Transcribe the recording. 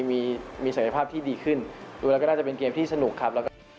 มีศักยภาพที่ดีขึ้นดูแล้วก็ได้จะเป็นเกมที่สนุกครับ